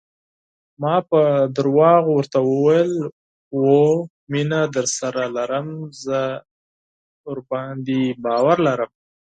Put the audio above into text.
ما په درواغو ورته وویل: هو، مینه درسره لرم، زه پرې باور لرم.